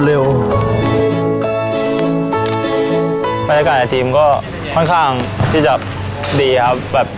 บรรยากาศในทีมก็ค่อนข้างที่จะดีครับ